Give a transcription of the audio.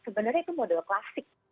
sebenarnya itu model klasik